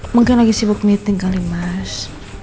mungkin lagi sibuk meeting kali mas